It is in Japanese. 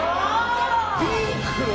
ピンクよ！